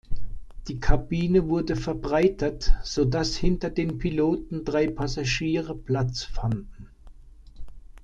Die Kabine wurde verbreitert, sodass hinter den Piloten drei Passagiere Platz fanden.